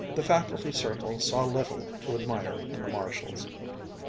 The faculty circle saw little to admire in the Marshalls.